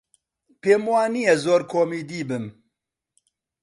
پێم وا نییە زۆر کۆمیدی بم.